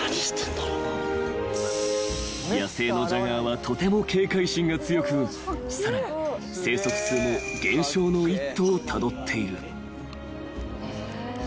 ［野生のジャガーはとても警戒心が強くさらに生息数も減少の一途をたどっている］